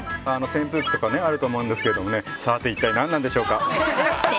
扇風機とかあると思うんですけどさて、一体何なんでしょうか。